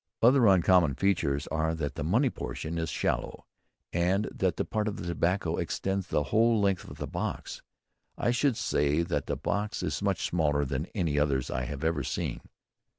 Other uncommon features are that the money portion is shallow, and that the part for the tobacco extends the whole length of the box. I should say that the box is much smaller than any others I have ever seen."